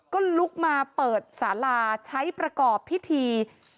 ก็ลุกมาเปิดสาราใช้ประกอบพิธี